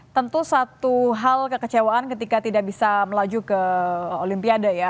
tentu satu hal kekecewaan ketika tidak bisa melaju ke olimpiade ya